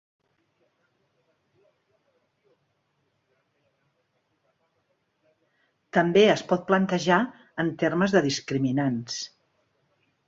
També es pot plantejar en termes de discriminants.